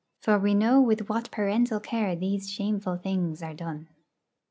For we know with what parental care these shameful things are done.